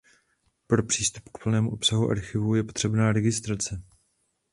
Pro přístup k plnému obsahu archivu je potřebná registrace.